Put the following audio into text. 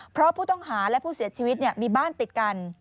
เพราะผู้ต้องหาและผู้เสียชีวิตมีบ้านติดกัน